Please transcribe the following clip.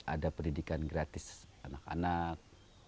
ada pendidikan gratis anak anak